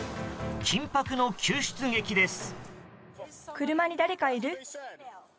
緊迫の救出劇です。